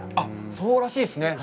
そうらしいですね。